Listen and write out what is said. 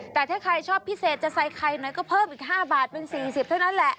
แต่ถ้าใครชอบพิเศษจะใส่ไข่หน่อยก็เพิ่มอีก๕บาทเป็น๔๐เท่านั้นแหละ